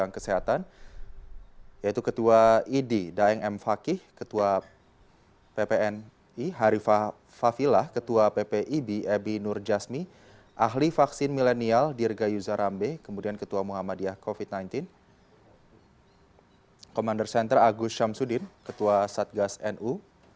ketua ppni harifah fafilah ketua ppib ebi nur jasmi ahli vaksin milenial dirga yuzarambe kemudian ketua muhammadiyah covid sembilan belas komander senter agus syamsuddin ketua satgas nu